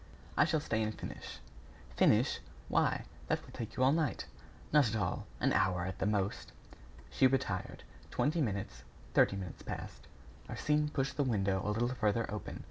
"I shall stay and finish." "Finish! Why, that will take you all night." "Not at all. An hour, at the most." She retired. Twenty minutes, thirty minutes passed. Arsène pushed the window a little farther open.